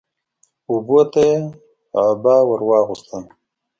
اوبو ته يې عبا ور واغوستل